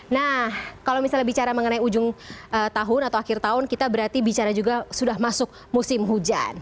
nah kalau misalnya bicara mengenai ujung tahun atau akhir tahun kita berarti bicara juga sudah masuk musim hujan